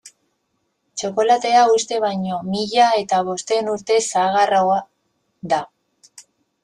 Txokolatea uste baino mila eta bostehun urte zaharragoa da.